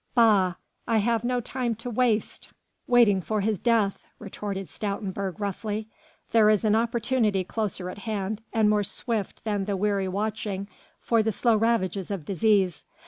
"Bah! I have no time to waste waiting for his death," retorted Stoutenburg roughly, "there is an opportunity closer at hand and more swift than the weary watching for the slow ravages of disease.